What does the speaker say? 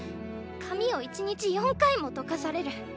髪を一日４回もとかされる。